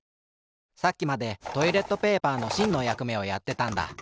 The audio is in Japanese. さっきまでトイレットペーパーのしんのやくめをやってたんだ。